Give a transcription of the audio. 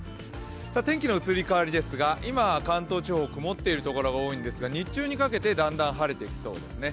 天気の移り変わりですが今は関東地方曇ってるところが多いんですが日中にかけてだんだん晴れてきそうですね。